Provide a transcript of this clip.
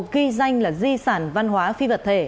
ghi danh là di sản văn hóa phi vật thể